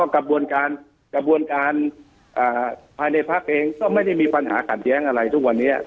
กระบวนการกระบวนการภายในพักเองก็ไม่ได้มีปัญหาขัดแย้งอะไรทุกวันนี้